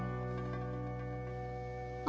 あ。